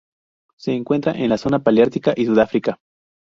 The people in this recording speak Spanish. Se encuentra en la zona paleártica y Sudáfrica.